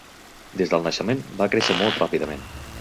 Des del naixement va créixer molt ràpidament.